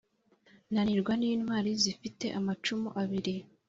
nanirwa n’intwali zifite amacumu abili.